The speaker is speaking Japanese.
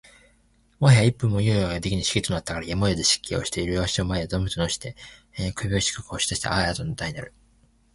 最早一分も猶予が出来ぬ仕儀となったから、やむをえず失敬して両足を前へ存分のして、首を低く押し出してあーあと大なる欠伸をした